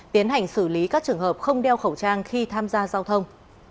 tiến hành xử lý các trường hợp không đeo khẩu trang khi tham gia giao thông